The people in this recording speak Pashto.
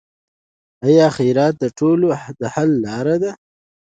آیا خیرات ټولول د حل لاره ده؟